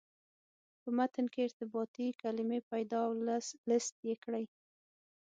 په متن کې ارتباطي کلمې پیدا او لست یې کړئ.